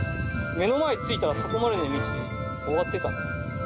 目の前着いたらそこまでで道終わってた。